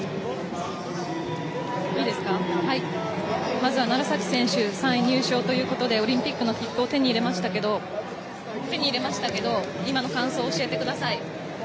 まずは楢崎選手３位入賞ということでオリンピックの切符を手に入れましたけど今の感想を教えてください。